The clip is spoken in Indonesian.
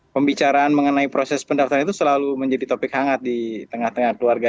pembicaraan mengenai proses pendaftaran itu selalu menjadi topik hangat di tengah tengah keluarga